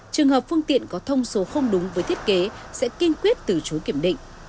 trường hợp phương tiện có thông số không đúng với thiết kế sẽ kiên quyết từ chối kiểm định